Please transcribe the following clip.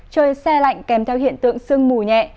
trời xe lạnh kèm theo hiện tượng sương mù nhẹ